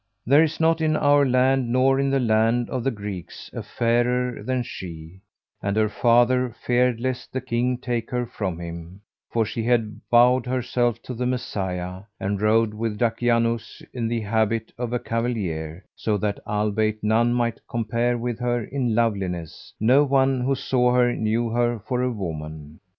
There is not in our land nor in the land of the Greeks a fairer than she, and her father feared lest the King take her from him; for she had vowed herself to the Messiah and rode with Dakianus in the habit of a cavalier, so that albeit none might compare with her in loveliness, no one who saw her knew her for a woman.